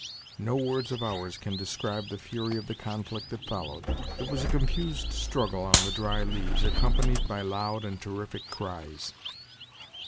No words of ours can describe the fury of the conflict that followed. It was a confused struggle on the dry leaves, accompanied by loud and terrific cries.